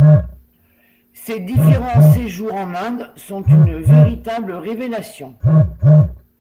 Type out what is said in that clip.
Ses différents séjours en Inde sont une véritable révélation.